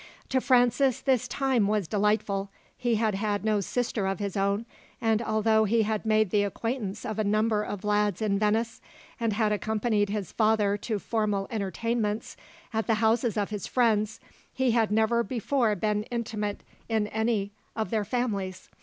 To Francis this time was delightful. He had had no sister of his own; and although he had made the acquaintance of a number of lads in Venice, and had accompanied his father to formal entertainments at the houses of his friends, he had never before been intimate in any of their families.